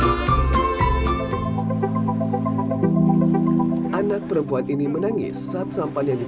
yang ditumpangi bersama sama dengan perempuan yang menangis menangis menangis menangis menangis